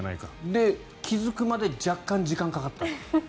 で、気付くまで若干時間がかかった。